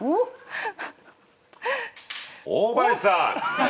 大林さん！